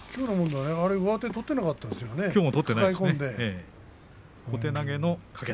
上手を取ってなかったですよね器用だね。